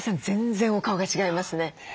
全然お顔が違いますね。